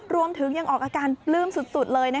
รวมถึงยังออกอาการปลื้มสุดเลย